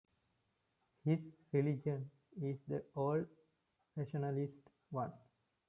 His religion is the old rationalist one.